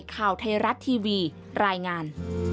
ข่าวไทยรัฐทีวีรายงาน